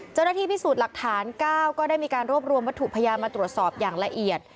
เจ้าหน้าที่พิสูจน์หลักฐาน๙ก็ได้มีการรวบรวมวัตถุพยานมาตรวจสอบอย่างละเอียด